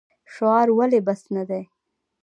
شعار ولې بس نه دی؟